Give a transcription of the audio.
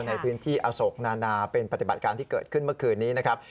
ในพื้นที่อโศกนานาเป็นปฏิบัติการที่เกิดขึ้นเมื่อคืนนี้นะครับ